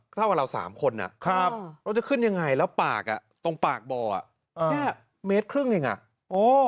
เท่าว่าเรา๓คนเราจะขึ้นยังไงแล้วปากตรงปากบ่อแค่๑๕เมตรยังไง